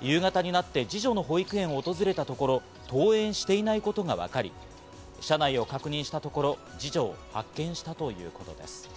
夕方になって二女の保育園を訪れたところ、登園していないことがわかり、車内を確認したところ、二女を発見したということです。